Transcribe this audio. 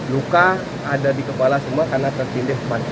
luka ada di kepala semua karena tertindak